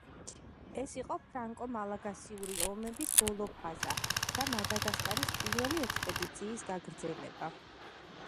ეს იყო ფრანკო-მალაგასიური ომების ბოლო ფაზა და მადაგასკარის პირველი ექსპედიციის გაგრძელება.